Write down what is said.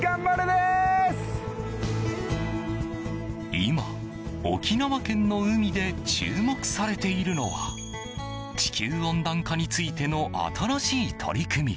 今、沖縄県の海で注目されているのは地球温暖化についての新しい取り組み。